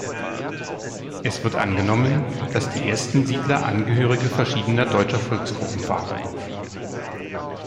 Es wird angenommen, dass die ersten Siedler Angehörige verschiedener deutscher Volksgruppen waren.